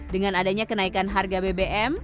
dengan adanya kenaikan harga bbm